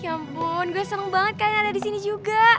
ya ampun gue seng banget kalian ada disini juga